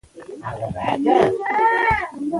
جواهرات د افغانستان د امنیت په اړه هم اغېز لري.